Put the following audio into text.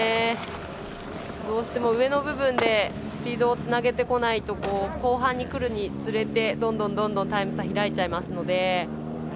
どうしても上の部分でスピードをつなげてこないと後半にくるにつれて、どんどんタイム差が開いちゃいますので。